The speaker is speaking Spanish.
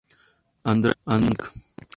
Android Inc.